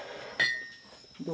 どう？